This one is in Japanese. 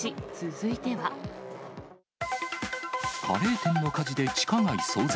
カレー店の火事で地下街騒然。